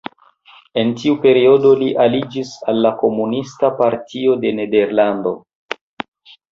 En tiu periodo li aliĝis al la Komunista Partio de Nederlando.